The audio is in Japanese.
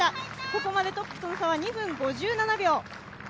ここまでトップとの差は２分５７秒。